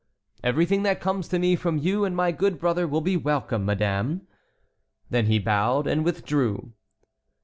"Everything that comes to me from you and my good brother will be welcome, madame." Then he bowed and withdrew.